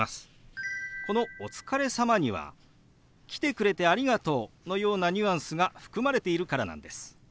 この「お疲れ様」には「来てくれてありがとう」のようなニュアンスが含まれているからなんです。